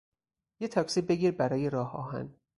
یه تاکسی بگیر برای راهآهن